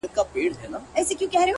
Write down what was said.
فلسفې نغښتي دي،